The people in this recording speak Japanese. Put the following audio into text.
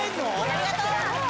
・ありがとう！